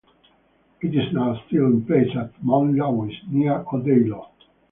It is now still in place at Mont Louis, near Odeillo.